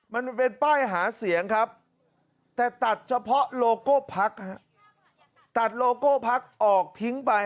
มันเป็นป้ายหาเสียงครับแต่ตัดเฉพาะโลโก้พักฮะตัดโลโก้พักออกทิ้งไป